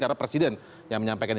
karena presiden yang menyampaikan ini